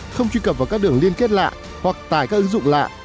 không truy cập vào các đường liên kết lạ hoặc tải các ứng dụng lạ